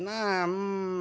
うん。